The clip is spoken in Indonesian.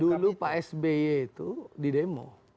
dulu pak sby itu di demo